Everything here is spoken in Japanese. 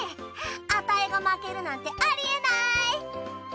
アタイが負けるなんてありえない。